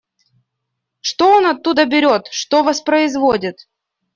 Что он оттуда берет, что воспроизводит.